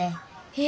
え！